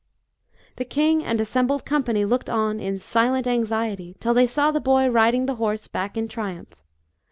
The king and assembled company looked on, in silent anxiety, till they saw the boy riding the horse back in triumph.